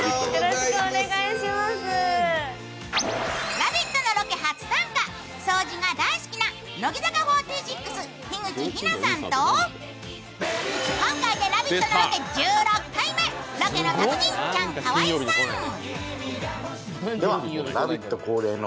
「ラヴィット！」のロケ初参加、掃除が大好きな乃木坂４６、樋口日奈さんと今回で「ラヴィット！」のロケ１６回目、ロケの達人、チャンカワイさん。